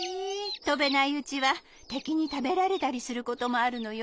とべないうちはてきにたべられたりすることもあるのよ。